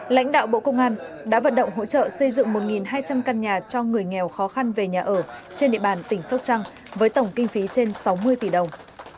lãnh đạo bộ công an đã vận động hỗ trợ xây dựng một hai trăm linh căn nhà cho người nghèo khó khăn về nhà ở trên địa bàn tỉnh sóc trăng với tổng kinh phí trên sáu mươi tỷ đồng